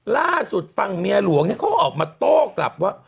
ล่าสุดฟังเมียหลวงเนี่ยเขาออกมาโต้กลับว่า